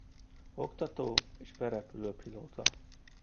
Oktató- és berepülőpilóta.